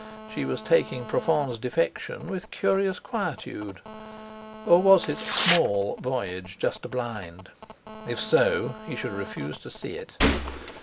She was taking Profond's defection with curious quietude; or was his "small" voyage just a blind? If so, he should refuse to see it!